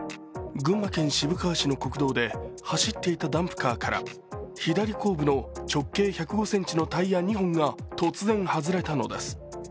群馬県渋川市の国道で走っていたダンプカーから左後部の直径１０５ｃｍのタイヤ２本が突然外れたのです。